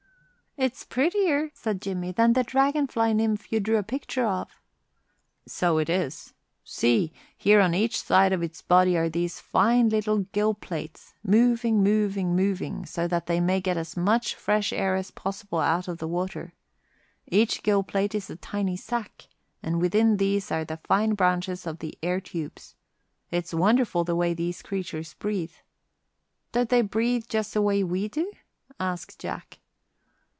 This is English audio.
"It's prettier," said Jimmie, "than that dragon fly nymph you drew a picture of." "So it is. See, here on each side of its body are these fine little gill plates, moving, moving, moving, so that they may get as much fresh air as possible out of the water. Each gill plate is a tiny sac, and within these are the fine branches of the air tubes. It's wonderful the way these creatures breathe." "Don't they breathe just the way we do?" asked Jack.